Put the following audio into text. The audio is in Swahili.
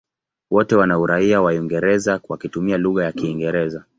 Wote wana uraia wa Uingereza wakitumia lugha ya Kiingereza.